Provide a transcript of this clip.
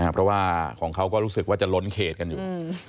เพราะว่าของเขาก็รู้สึกว่าจะล้นเขตกันอยู่